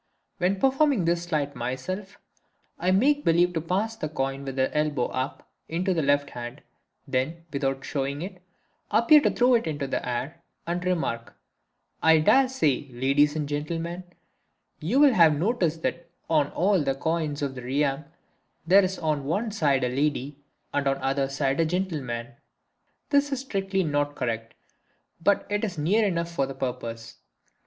(See "The Dress.") When performing this sleight myself, I make believe to pass the coin from the elbow up into the left hand, then, without showing it, appear to throw it into the air, and remark: "I dare say, Ladies and Gentlemen, you will have noticed that on all coins of the realm there is on one side a lady, and on the other side a gentleman" (this is not strictly correct, but it is near enough for the purpose).